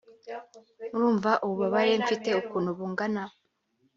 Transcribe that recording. murumva ububabare mfite ukuntu bungana